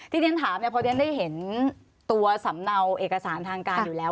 ที่เน้นถามพอยถ้าได้เห็นตัวสำเนาเอกสารทางการอยู่แล้ว